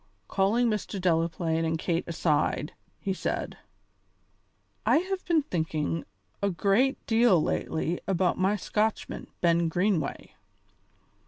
Calling Mr. Delaplaine and Kate aside, he said: "I have been thinking a great deal lately about my Scotchman, Ben Greenway.